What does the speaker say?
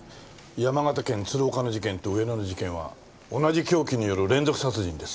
山形県鶴岡の事件と上野の事件は同じ凶器による連続殺人です。